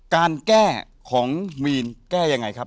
การแก้ของมีนแก้ยังไงครับ